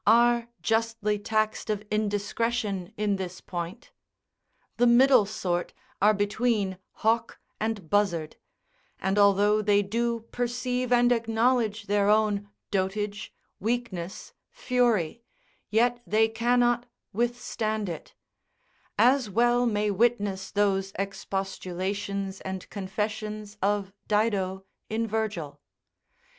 are justly taxed of indiscretion in this point; the middle sort are between hawk and buzzard; and although they do perceive and acknowledge their own dotage, weakness, fury, yet they cannot withstand it; as well may witness those expostulations and confessions of Dido in Virgil.